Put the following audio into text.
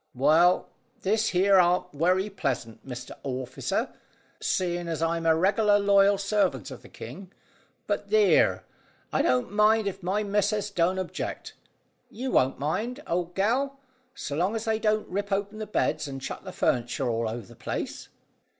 "Well, this here arn't werry pleasant, Mr Orficer, seeing as I'm a reg'lar loyal servant of the king. But theer, I don't mind if my missus don't object. You won't mind, old gal, so long as they don't rip open the beds and chuck the furniture all over the place?"